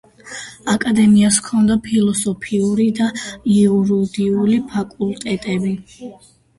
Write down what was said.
აკადემიას ჰქონდა ფილოსოფიური და იურიდიული ფაკულტეტები.